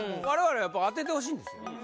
我々やっぱ当ててほしいんですよ